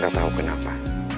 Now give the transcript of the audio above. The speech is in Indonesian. gak tau kenapa